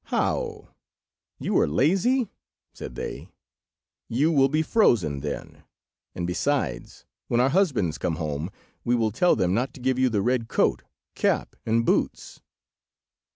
"How! you are lazy!" said they, "you will be frozen, then, and besides, when our husbands come home we will tell them not to give you the red coat, cap, and boots."